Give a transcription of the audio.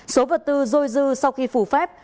số vật tư dôi dư sau khi phủ phép